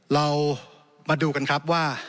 เรามาดูกันครับว่า